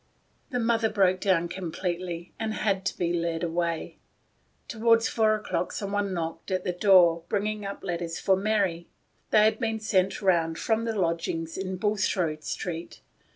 The mother broke down completely, and she had to be led away. Toward four o'clock someone knocked at the door, bringing up letters for Mary. They had been sent round from the lodgings in Bulstrode Street.